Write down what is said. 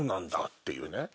っていうね。